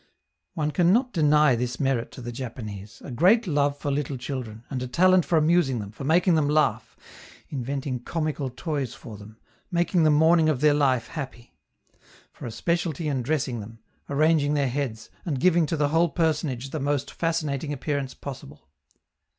One can not deny this merit to the Japanese a great love for little children, and a talent for amusing them, for making them laugh, inventing comical toys for them, making the morning of their life happy; for a specialty in dressing them, arranging their heads, and giving to the whole personage the most fascinating appearance possible.